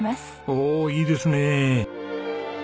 おおいいですね。